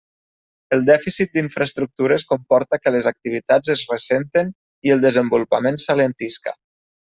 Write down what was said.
El dèficit d'infraestructures comporta que les activitats es ressenten i el desenvolupament s'alentisca.